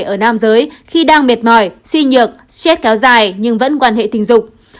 ở nam giới khi đang mệt mỏi suy nhược xét kéo dài nhưng vẫn quan hệ tình dục